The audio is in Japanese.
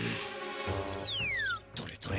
どれどれ？